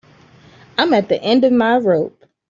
I'm at the end of my rope.